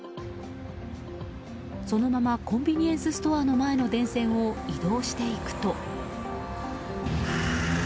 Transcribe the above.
そのままコンビニエンスストアの前の電線を移動していくと。